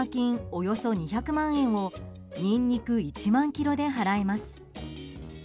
およそ２００万円をニンニク１万ｋｇで払えます。